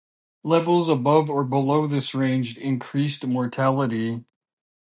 Levels above or below this range increased mortality.